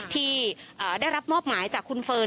ที่ได้รับมอบหมายจากคุณเฟิร์น